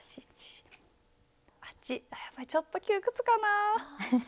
やっぱりちょっと窮屈かなぁ？